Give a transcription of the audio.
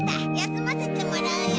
休ませてもらうよ。